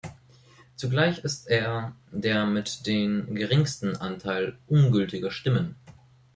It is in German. Zugleich ist er der mit den geringsten Anteil ungültiger Stimmen.